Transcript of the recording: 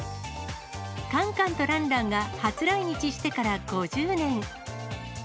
カンカンとランランが初来日してから５０年。